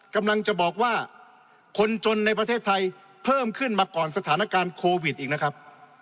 กำลังจะบอกว่าคนจนในประเทศไทยเพิ่มขึ้นมาก่อนสถานการณ์โควิดอีกนะครับ